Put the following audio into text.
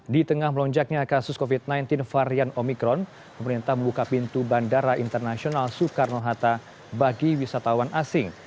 di tengah melonjaknya kasus covid sembilan belas varian omikron pemerintah membuka pintu bandara internasional soekarno hatta bagi wisatawan asing